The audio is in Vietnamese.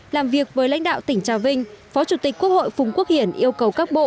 làm việc với lãnh đạo tỉnh trà vinh phó chủ tịch quốc hội phùng quốc hiển yêu cầu các bộ